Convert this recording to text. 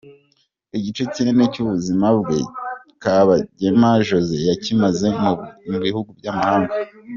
Igice kinini cy’ubuzima bwe, Kabagema Josée yakimaze mu bihugu by’amahanga.